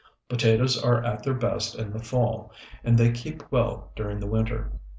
Potatoes are at their best in the fall, and they keep well during the winter.